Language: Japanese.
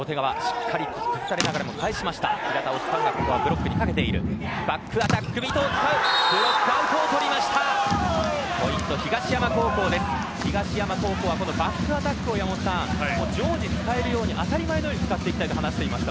ブロックアウトを取りました。